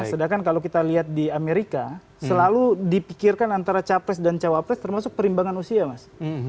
sedangkan kalau kita lihat di amerika selalu dipikirkan antara capres dan cawapres termasuk perimbangan usia mas